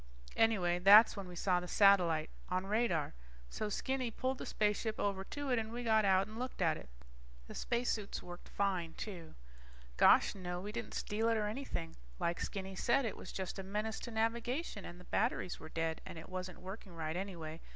Anyway that's when we saw the satellite on radar. So Skinny pulled the spaceship over to it and we got out and looked at it. The spacesuits worked fine, too. Gosh no, we didn't steal it or anything. Like Skinny said, it was just a menace to navigation, and the batteries were dead, and it wasn't working right anyway.